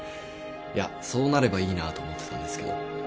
いやそうなればいいなと思ってたんですけど。